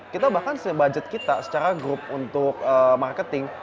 kita bahkan se budget kita secara group untuk marketing